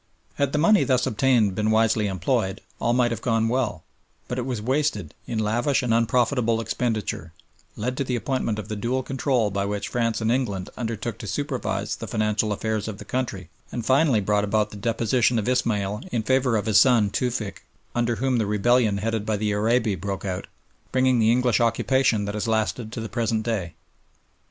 Had the money thus obtained been wisely employed, all might have gone well; but it was wasted in lavish and unprofitable expenditure, led to the appointment of the dual control by which France and England undertook to supervise the financial affairs of the country, and finally brought about the deposition of Ismail in favour of his son Tewfick, under whom the rebellion headed by Arabi broke out, bringing the English occupation that has lasted to the present day.